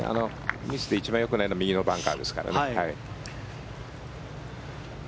ミスで一番よくないのは右のバンカーですからね。